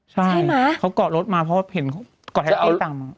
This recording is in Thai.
ใช่ใช่ไหมเขากล่อรถมาเพราะว่าเห็นเขากล่อแท็กซี่ต่าง